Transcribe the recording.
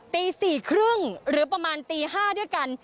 ตี๔๓๐หรือประมาณตี๕ด้วยกัน